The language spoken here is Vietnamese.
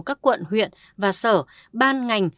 các quận huyện và sở ban ngành